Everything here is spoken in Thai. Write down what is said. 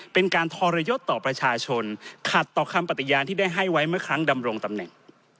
เป็นการทรยศต่อประชาชนขัดต่อคำปฏิญาณที่ได้ให้ไว้เมื่อครั้งดำรงตำแหน่ง